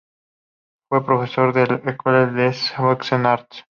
Fue profesor en la École des Beaux-Arts.